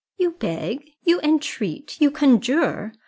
"You beg! you entreat! you conjure!